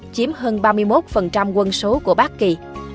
chiếm hơn ba mươi một quân số của bác kỳ